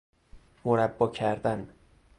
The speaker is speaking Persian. مربا کردن